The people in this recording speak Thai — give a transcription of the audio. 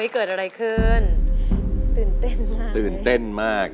กินข้าวนำกัน